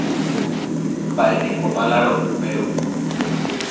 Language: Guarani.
Mba'etekópa la ro'y pérupi.